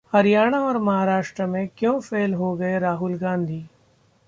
हरियाणा और महाराष्ट्र में क्यों फेल हो गए राहुल गांधी